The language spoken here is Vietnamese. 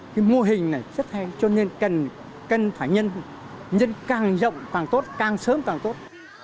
cái mô hình này rất hay cho nên cần phải càng rộng càng tốt càng sớm càng tốt